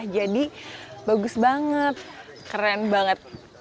jadi bagus banget keren banget